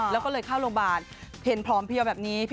แล้วก็เลยเข้าโรงพยาบาลเห็นพร้อมเพียวแบบนี้